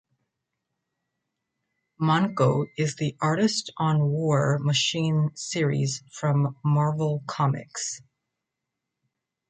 Manco is the artist on War Machine series from Marvel Comics.